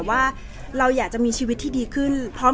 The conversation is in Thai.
แต่ว่าสามีด้วยคือเราอยู่บ้านเดิมแต่ว่าสามีด้วยคือเราอยู่บ้านเดิม